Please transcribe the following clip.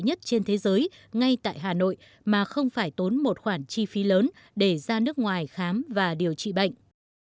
nhất trên thế giới ngay tại hà nội mà không phải tốn một khoản chi phí lớn để ra nước ngoài khám và điều trị bệnh